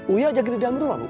uya jagainya di dalam rumah bu